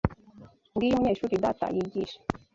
Ngiyo umunyeshuri data yigisha.